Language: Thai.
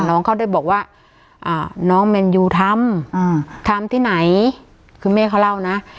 น้องเขาได้บอกว่าน้องแมนยูทำทำที่ไหนคือแม่เขาเล่านะ